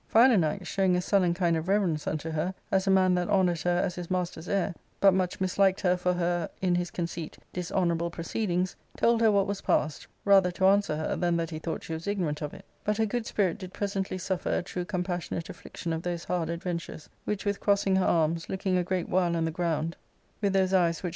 Philanax, showing a sullen kind of reverence unto her, as a man that honoured her as his master's heir, but much misliked her for her — in his conceit — dishonourable proceedings, told her what was passed, rather to answer her than that he thought she was ignorant of it But her good spirit did presently suffer a true compassionate afflic* tion of those hard adventures, which with crossing her arms, looking a great while on the ground with those eyes which 444 ARCADIA.'